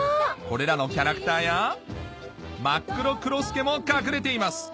これらのキャラクターやマックロクロスケも隠れています